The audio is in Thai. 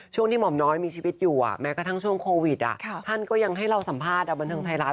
ช่วงที่หม่อมน้อยมีชีวิตอยู่แม้กระทั่งช่วงโควิดท่านก็ยังให้เราสัมภาษณ์บันเทิงไทยรัฐ